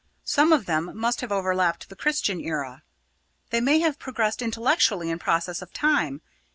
Some of them must have overlapped the Christian era. They may have progressed intellectually in process of time.